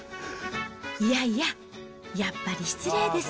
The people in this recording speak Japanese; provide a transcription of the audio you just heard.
いやいや、やっぱり失礼です。